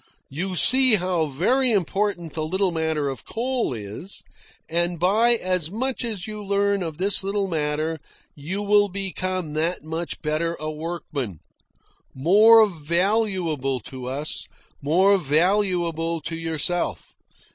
"You see how very important the little matter of coal is, and by as much as you learn of this little matter you will become that much better a workman more valuable to us, more valuable to yourself.